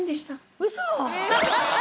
うそ！